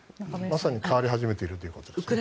まさに変わり始めているということです。